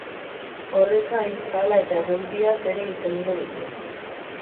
Horrez gain, pala eta errugbiaz ere hitz egingo dute.